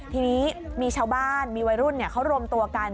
ทีนี้มีชาวบ้านมีวัยรุ่นเขารวมตัวกัน